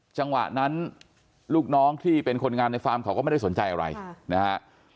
จังหวะนั้นลูกน้องที่เป็นคนงานในฟาร์มเขาก็ไม่ได้สนใจอะไรนะฮะ